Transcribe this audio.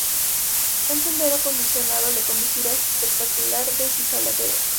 Un sendero acondicionado le conducirá a este espectacular desfiladero.